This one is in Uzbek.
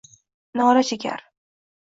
Nola chekar